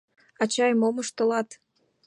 — Ачай, мом ыштылат?